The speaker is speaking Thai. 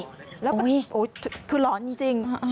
ถ้าร้องใช่ใจ